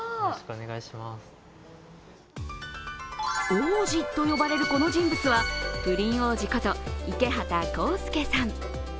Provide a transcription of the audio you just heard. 王子と呼ばれるこの人物はプリン王子こと池畑孝資さん。